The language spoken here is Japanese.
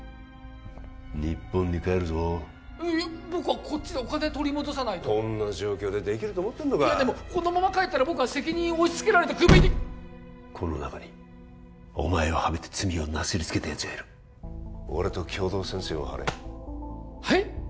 日本に帰るぞいや僕はこっちでお金取り戻さないとこんな状況でできると思ってんのかいやでもこのまま帰ったら僕は責任を押しつけられてクビにこの中にお前をハメて罪をなすりつけたやつがいる俺と共同戦線を張れはい？